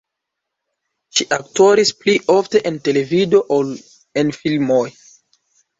Ŝi aktoris pli ofte en televido ol en filmoj.